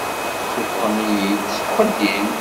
Ssufɣen-iyi-d seg uxeddim.